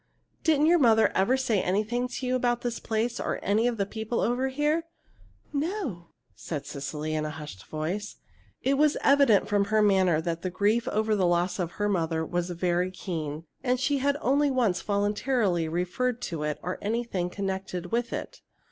Didn't your mother ever say anything to you about this place or any of the people over here?" "No," said Cecily, in a hushed voice. It was evident from her manner that her grief over the loss of her mother was very keen, and she had only once voluntarily referred to it or to anything connected with it.